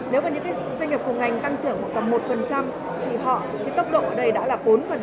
nếu mà những doanh nghiệp cùng ngành tăng trưởng tầm một thì tốc độ ở đây đã là bốn